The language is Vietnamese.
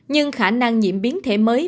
nhưng khả năng nhiễm biến thể mới